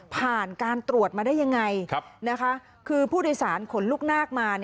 ผ่านการตรวจมาได้ยังไงคือผู้โดยสารขนลูกนาคมา